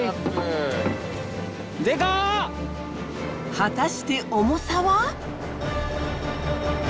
果たして重さは？